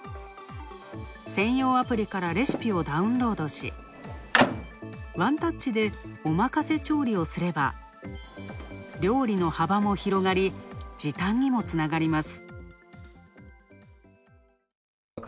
専用アプリからレシピをダウンロードし、ワンタッチでおまかせ調理をすれば、料理の幅も広がり、時短にもつながります。